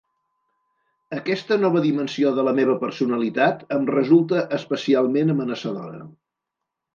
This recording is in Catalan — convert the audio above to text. Aquesta nova dimensió de la meva personalitat em resulta especialment amenaçadora.